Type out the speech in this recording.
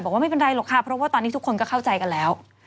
ไม่เป็นไรหรอกค่ะเพราะว่าตอนนี้ทุกคนก็เข้าใจกันแล้ว